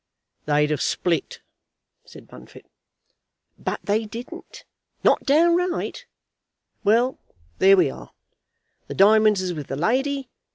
"They'd've split," said Bunfit. "But they didn't, not downright. Well, there we are. The diamonds is with the lady.